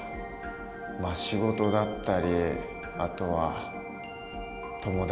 まあ仕事だったりあとは友達先輩